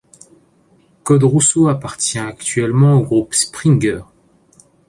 Codes Rousseau appartient actuellement au groupe Springer.